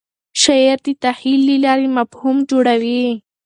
شاعر د تخیل له لارې مفهوم جوړوي.